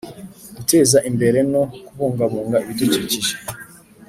Guteza imbere no kubungabunga ibidukikije